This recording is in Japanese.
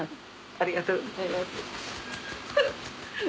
ありがとうございます。